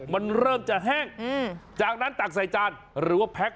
มันเริ่มจะแห้งจากนั้นตักใส่จานหรือว่าแพ็ค